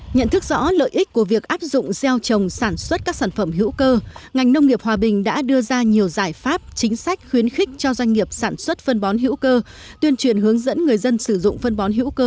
nhận thức rõ lợi ích của việc áp dụng giao trồng sản xuất các sản phẩm hữu cơ ngành nông nghiệp hòa bình đã đưa ra nhiều giải pháp chính sách khuyến khích cho doanh nghiệp sản xuất phân bón hữu cơ